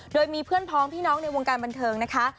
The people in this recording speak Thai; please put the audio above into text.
โดยมีเพื่อนพ้องพี่น้องในวงการบันเทิงนะคะ